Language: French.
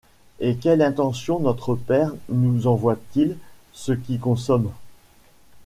En quelle intention notre père nous envoye-t-il ce qui consomme ?